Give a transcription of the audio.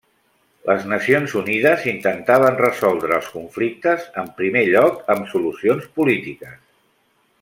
Les Nacions Unides intentaven resoldre els conflictes, en primer lloc, amb solucions polítiques.